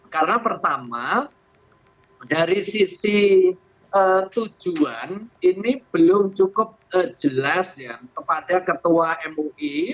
karena pertama dari sisi tujuan ini belum cukup jelas ya kepada ketua mui